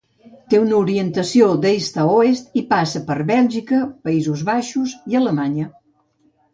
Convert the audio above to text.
Té una orientació d'est a oest i passa per Bèlgica, Països Baixos i Alemanya.